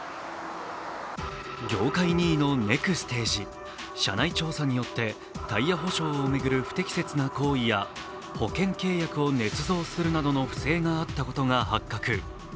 業界２位のネクステージ、社内調査によってタイヤ保証を巡る不適切な行為や、保険契約をねつ造するなどの不正があったことが発覚。